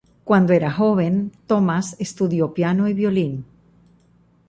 Cuando era joven, Thomas estudió piano y violín.